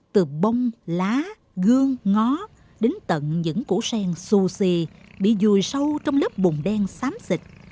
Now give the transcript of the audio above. từ bông lá gương ngó đến tận những củ sen xù xì bị dùi sâu trong lớp bùn đen sám xịt